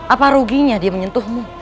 apa ruginya dia menyentuhmu